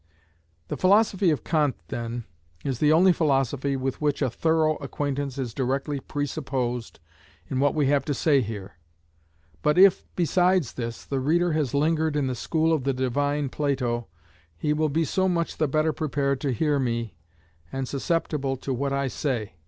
The philosophy of Kant, then, is the only philosophy with which a thorough acquaintance is directly presupposed in what we have to say here. But if, besides this, the reader has lingered in the school of the divine Plato, he will be so much the better prepared to hear me, and susceptible to what I say.